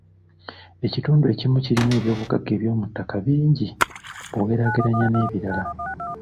Ekitundu ekimu kirina eby'obugagga by'omu ttaka bingi bw'ogeraageranya n'ebirala.